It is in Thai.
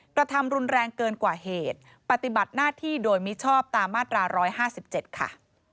กระทำรุนแรงเกินกว่าเหตุปฏิบัติหน้าที่โดยมิชอบตามมาตรา๑๕๗ค่ะ